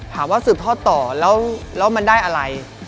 ถามว่าสืบท่อต่อแล้วมันได้อะไร